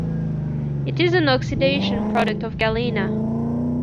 It is an oxidation product of galena.